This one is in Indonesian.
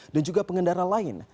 dan juga pengendara lain